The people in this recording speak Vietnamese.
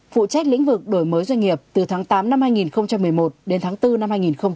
phụ trách lĩnh vực đổi mới doanh nghiệp từ tháng tám năm hai nghìn một mươi một đến tháng bốn năm hai nghìn một mươi chín